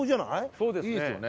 そうですね。